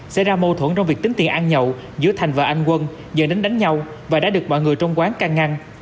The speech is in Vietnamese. xảy ra mâu thuẫn trong việc tính tiền ăn nhậu giữa thành và anh quân dần đến đánh nhau và đã được bỏ người trong quán căng ngăn